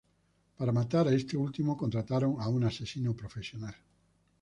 Para matar a este último contrataron a un asesino profesional.